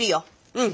うん。